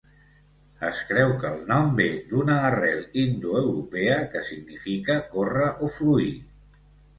Es creu que el nom ve d'una arrel indoeuropea que significa córrer o fluir.